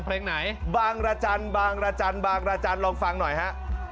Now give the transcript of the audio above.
เพลงไหนบางรจรลองฟังหน่อยฮะ